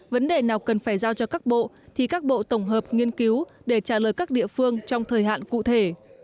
vấn đề nào cần phải giao cho các bộ thì các bộ tổng hợp nghiên cứu để trả lời các địa phương trong thời hạn cụ thể